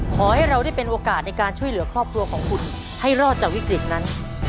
ขอให้เราได้เป็นโอกาสในการช่วยเหลือครอบครัวของคุณให้รอดจากวิกฤตนั้น